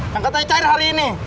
yang katanya cair hari ini